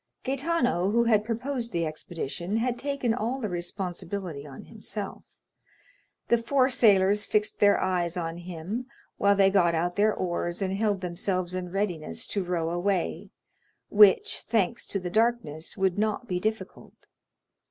Gaetano, who had proposed the expedition, had taken all the responsibility on himself; the four sailors fixed their eyes on him, while they got out their oars and held themselves in readiness to row away, which, thanks to the darkness, would not be difficult.